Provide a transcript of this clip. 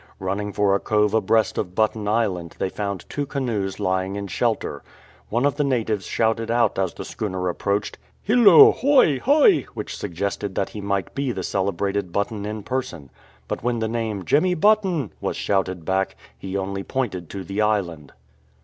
Running for a cove abreast of Button Island, they found two canoes lying in shelter. One of the natives shouted out as the schooner approached, "Hillo, hoy, hoy!" which suggested that he might be the celebrated Button in person. But when the name " Jemmy Button '' was shouted back, he only pointed to the island.